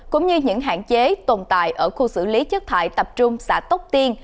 cũng như những hạn chế tồn tại ở khu xử lý chất thải tập trung xã tóc tiên